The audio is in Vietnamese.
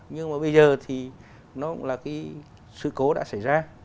nhưng mà bây giờ thì nó cũng là cái sự cố đã xảy ra